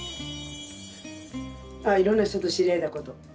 あっいろんな人と知り合えたこと。